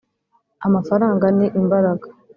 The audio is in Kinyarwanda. amafaranga ni imbaraga.